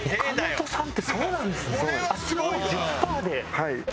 はい。